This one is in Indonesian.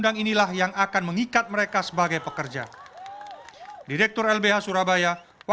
kasih bantuan dari agus billel bumquat untuk b wars group agar